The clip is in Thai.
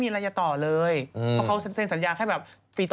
โอลี่คัมรี่ยากที่ใครจะตามทันโอลี่คัมรี่ยากที่ใครจะตามทัน